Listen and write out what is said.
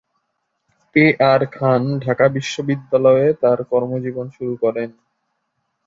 এ R Khan Dhaka বিশ্ববিদ্যালয়ে তাঁর কর্মজীবন শুরু করেন।